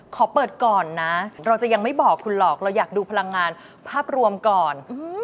ขอเปิดก่อนนะเราจะยังไม่บอกคุณหรอกเราอยากดูพลังงานภาพรวมก่อน